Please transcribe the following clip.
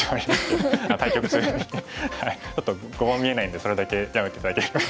ちょっと碁盤見えないんでそれだけやめて頂ければ。